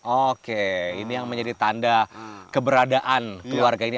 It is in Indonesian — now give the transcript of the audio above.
oke ini yang menjadi tanda keberadaan keluarga ini